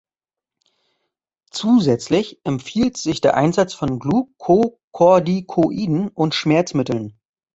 Zusätzlich empfiehlt sich der Einsatz von Glukokortikoiden und Schmerzmitteln.